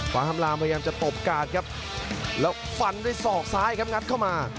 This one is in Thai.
ความลางพยายามจะตบกาดครับแล้วฟันด้วยศอกซ้ายครับงัดเข้ามา